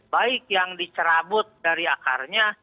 baik yang dicerabut dari akarnya